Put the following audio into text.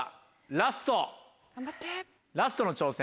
ラストの挑戦